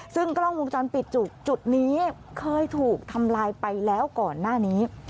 ซึ่งกล้องวงจรปิดจุดนี้เคยถูกทำลายไปแล้วก่อนหน้านี้